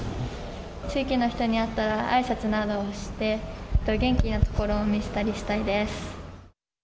地域の人に会ったらあいさつなどをして元気なところを見せたりしたいです。